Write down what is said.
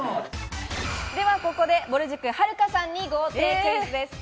ではここでぼる塾・はるかさんに豪邸クイズです。